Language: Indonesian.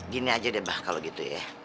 gini aja deh mbah kalo gitu ya